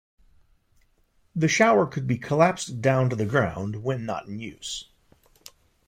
The shower could be collapsed down to the ground when not in use.